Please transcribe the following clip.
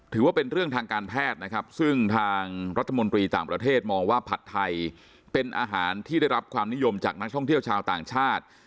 ถือว่าเป็นเรื่องทางการแพทย์นะครับซึ่งทางรัฐมนตรีต่างประเทศมองว่าผัดไทยเป็นอาหารที่ได้รับความนิยมจากนักท่องเที่ยวชาวต่างชาติ